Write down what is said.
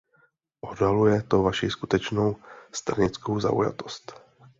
Odhaluje to vaši skutečnou stranickou zaujatost.